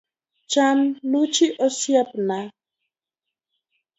Cham luchi osiepna.